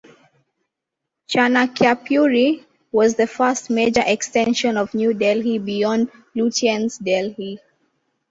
Chanakyapuri was the first major extension of New Delhi beyond Lutyens' Delhi.